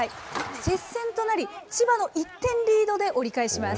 接戦となり、千葉の１点リードで折り返します。